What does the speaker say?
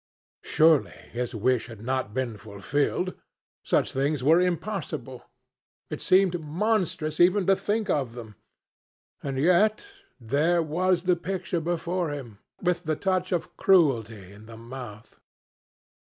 Surely his wish had not been fulfilled? Such things were impossible. It seemed monstrous even to think of them. And, yet, there was the picture before him, with the touch of cruelty in the mouth.